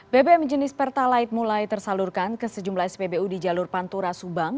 bbm jenis pertalite mulai tersalurkan ke sejumlah spbu di jalur pantura subang